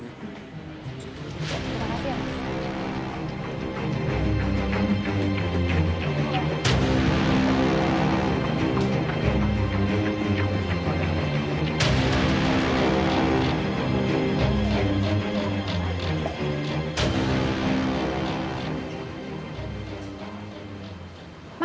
terima kasih ya mas